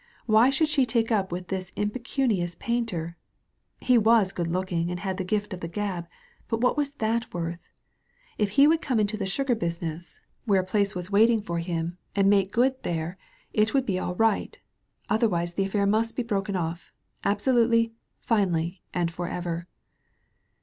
why should she take up with this impecumous painter? He was good looking and had the gift of the gab, but what was that worth? If he would come into the sugar business, where a place was THE VALLEY OF VISION waiting for him» and make good there, it would be all right. . Otherwise, the affair must be broken off, absolutely, finally, and forever.